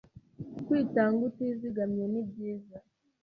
Kwitanga utizigama ni byiza